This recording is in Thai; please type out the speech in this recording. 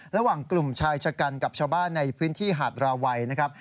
ระหว่างกลุ่มชายชะกันกับชาวบ้านในพื้นที่หาดราวัยนะครับ